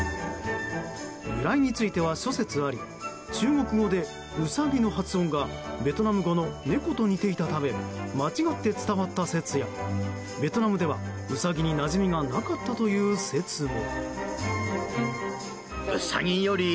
由来については諸説あり中国語でウサギの発音がベトナム語の猫と似ていたため間違って伝わった説やベトナムではウサギになじみがなかったという説も。